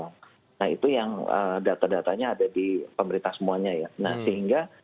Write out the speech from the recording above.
nah sehingga itu adalah data datanya yang ada di pemerintah semuanya ya nah sehingga